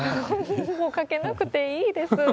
もうかけなくていいです。